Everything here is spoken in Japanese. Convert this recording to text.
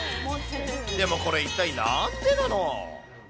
でも、これ、一体なんでなの？